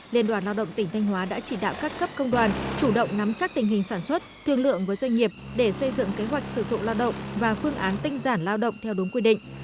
liên đoàn lao động tỉnh thanh hóa đã chỉ đạo các cấp công đoàn chủ động nắm chắc tình hình sản xuất thương lượng với doanh nghiệp để xây dựng kế hoạch sử dụng lao động và phương án tinh giản lao động theo đúng quy định